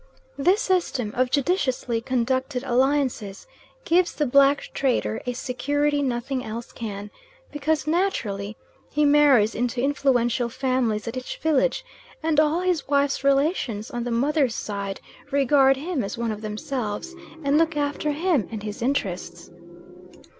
This system of judiciously conducted alliances, gives the black trader a security nothing else can, because naturally he marries into influential families at each village, and all his wife's relations on the mother's side regard him as one of themselves, and look after him and his interests.